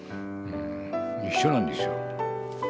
うん。一緒なんですよ。